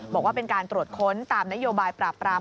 บอกว่าเป็นการตรวจค้นตามนโยบายปราบปราม